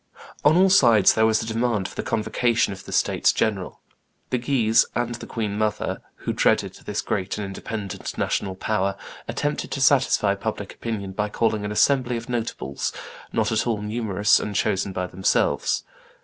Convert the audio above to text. On all sides there was a demand for the convocation of the states general. The Guises and the queen mother, who dreaded this great and independent national power, attempted to satisfy public opinion by calling an assembly of notables, not at all numerous, and chosen by themselves.